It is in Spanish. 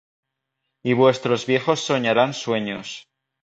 Y vuestros viejos soñarán sueños: